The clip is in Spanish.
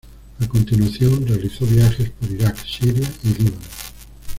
A continuación realizó viajes por Iraq, Siria y Líbano.